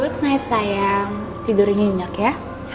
tidur nyenyak ya